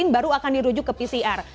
baru akan dirujuk ke pcr